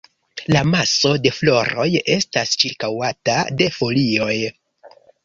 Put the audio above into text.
La maso de floroj estas ĉirkaŭata de folioj.